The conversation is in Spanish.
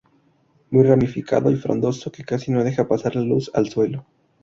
Muy ramificado y frondoso, que casi no deja pasar la luz al suelo.